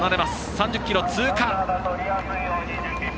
３０ｋｍ通過。